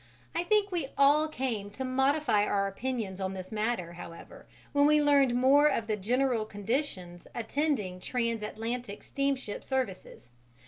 I think we all came to modify our opinions on this matter, however, when we learnt more of the general conditions attending trans Atlantic steamship services.